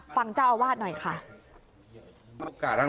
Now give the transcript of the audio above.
ฟังเจ้าอาวาสหน่อยค่ะ